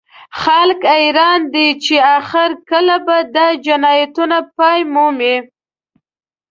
خلک حیران دي چې اخر کله به دا جنایتونه پای مومي